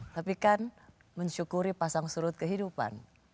tapi kan mensyukuri pasang surut kehidupan